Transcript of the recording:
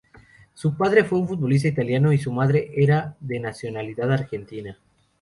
El padre fue un futbolista italiano y su madre era de nacionalidad argentina.